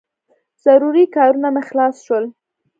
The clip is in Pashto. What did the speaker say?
ضروري کارونه مې خلاص شول.